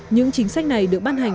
những chính sách này được ban hành